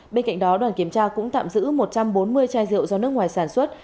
bên cạnh đó đoàn kiểm tra cũng tạm giữ một trăm bốn mươi chai rượu do nước ngoài sản xuất